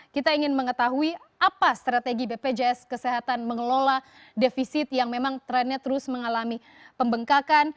kita ingin mengetahui apa strategi bpjs kesehatan mengelola defisit yang memang trennya terus mengalami pembengkakan